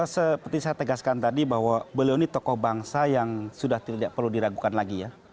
seperti saya tegaskan tadi bahwa beliau ini tokoh bangsa yang sudah tidak perlu diragukan lagi ya